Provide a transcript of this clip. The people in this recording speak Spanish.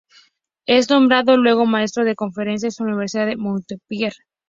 Es nombrado luego maestro de conferencias en la universidad de Montpellier.